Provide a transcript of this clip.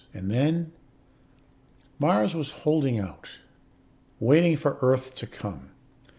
And then " Mars was holding out, waiting for Earth to come.